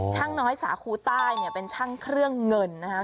ช่างน้อยสาคูใต้เนี่ยเป็นช่างเครื่องเงินนะครับ